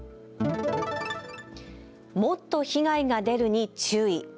もっと被害が出るに注意。